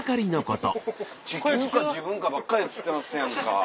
地球か自分かばっかり釣ってますやんか。